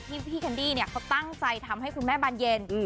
พี่แคนดี้เนี่ยเขาตั้งใจทำให้คุณแม่บานเย็น